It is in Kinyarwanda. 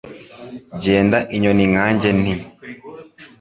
Genda inyoni nkanjye nti